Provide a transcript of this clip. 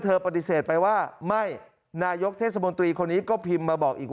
ปฏิเสธไปว่าไม่นายกเทศมนตรีคนนี้ก็พิมพ์มาบอกอีก